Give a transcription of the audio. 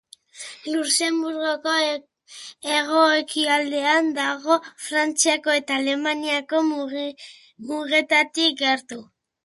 Luxenburgoko hegoekialdean dago, Frantziako eta Alemaniako mugetatik gertu.